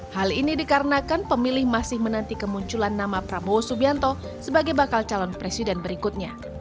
hal ini dikarenakan pemilih masih menanti kemunculan nama prabowo subianto sebagai bakal calon presiden berikutnya